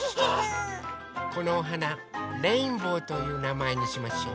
このおはなレインボーというなまえにしましょう。